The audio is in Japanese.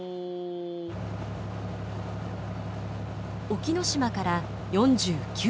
沖ノ島から４９キロ。